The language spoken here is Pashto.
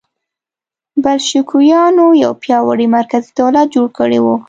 بلشویکانو یو پیاوړی مرکزي دولت جوړ کړی و